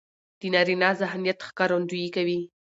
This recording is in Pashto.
د نارينه ذهنيت ښکارندويي کوي.